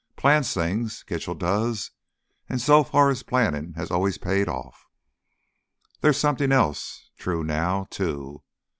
Plans things, Kitchell does, an' so far his plannin' has always paid off. "There's something else true now, too.